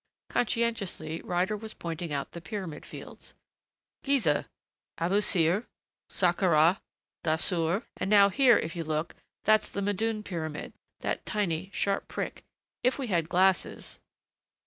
Conscientiously Ryder was pointing out the pyramid fields. "Gizeh, Abusir, Sakkara, Dahsur and now here, if you look that's the Medun pyramid that tiny, sharp prick. If we had glasses...."